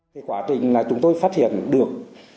trong quá trình chúng tôi phát hiện được